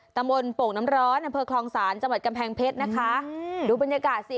ตำบลโป่งน้ำร้อนอำเภอคลองศาลจังหวัดกำแพงเพชรนะคะอืมดูบรรยากาศสิ